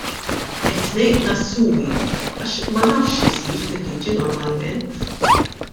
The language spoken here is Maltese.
Qed ngħid nassumi, għax ma nafx x'isir fil-liġi normalment.